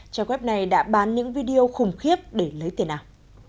trang web này đã bán những video khủng khiếp để lấy tiền ảo